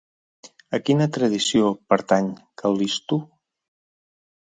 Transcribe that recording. A quina tradició pertany Cal·listo?